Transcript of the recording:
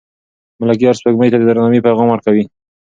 ملکیار سپوږمۍ ته د درناوي پیغام ورکوي.